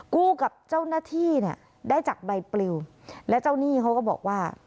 กู้กับเจ้าหน้าที่เนี่ยได้จากใบปลิวและเจ้าหนี้เขาก็บอกว่า